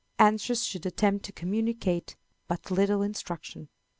Answers should attempt to communicate but little Instruction.